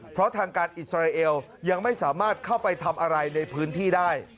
เพราะทางการอิสราเอลยังไม่สามารถเข้าไปทำอะไรในพื้นที่ได้